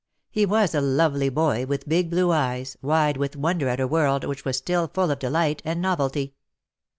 He was a lovely boy, with big blue eyes, wide with wonder at a world which was still full of delight and novel tv.